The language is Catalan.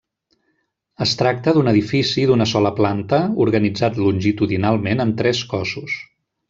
Es tracta d'un edifici d'una sola planta, organitzat longitudinalment en tres cossos.